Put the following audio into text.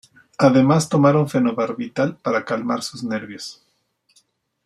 Además tomaron fenobarbital para calmar sus nervios.